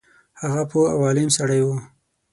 هغه پوه او عالم سړی وو.